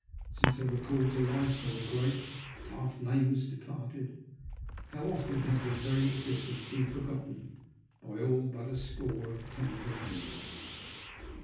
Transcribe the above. Since they were called to life by the great, half nameless departed, how often has their very existence been forgotten by all but a score in tens of millions?